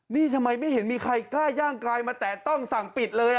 นี่ทำไมไม่เห็นมีใครกล้าย่างกลายมาแต่ต้องสั่งปิดเลย